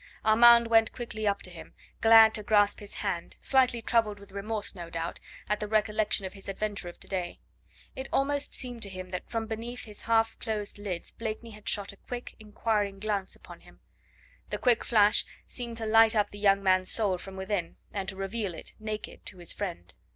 Armand went quickly up to him, glad to grasp his hand, slightly troubled with remorse, no doubt, at the recollection of his adventure of to day. It almost seemed to him that from beneath his half closed lids Blakeney had shot a quick inquiring glance upon him. The quick flash seemed to light up the young man's soul from within, and to reveal it, naked, to his friend.